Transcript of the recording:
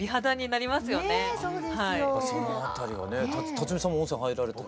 辰巳さんも温泉入られたり。